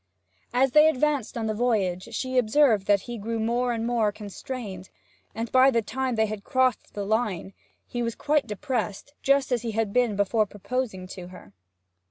As they advanced on the voyage she observed that he grew more and more constrained; and, by the time they had crossed the Line, he was quite depressed, just as he had been before proposing to her.